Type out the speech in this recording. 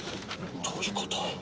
どういうこと？